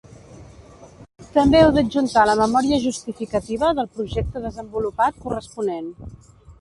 També heu d'adjuntar la memòria justificativa del projecte desenvolupat corresponent.